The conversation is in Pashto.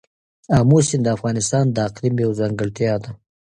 آمو سیند د افغانستان د اقلیم یوه ځانګړتیا ده.